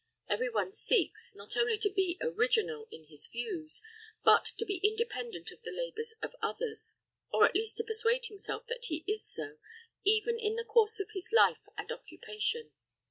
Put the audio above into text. Every one seeks, not only to be original in his views, but to be independent of the labours of others, or at least to persuade himself that he is so, even in the course of his life and occupation.